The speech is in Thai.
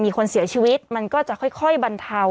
มีคนเสียชีวิตมันก็จะค่อยบรรเทา